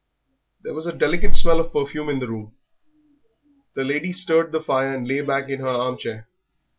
There was a delicate smell of perfume in the room; the lady stirred the fire and lay back in her armchair.